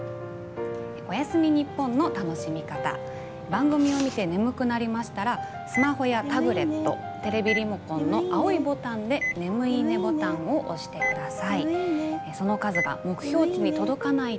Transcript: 番組を見て眠くなりましたらスマホやタブレットテレビリモコンの青いボタンで眠いいねボタンを押してください。